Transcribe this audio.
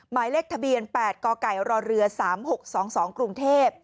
หมายเลขทะเบียน๘กกรเรือ๓๖๒๒กรุงเทพฯ